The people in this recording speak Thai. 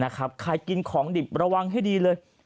ใครกินของดิบระวังให้ดีเลย